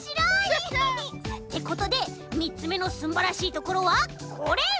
クシャシャ！ってことで３つめのすんばらしいところはこれ！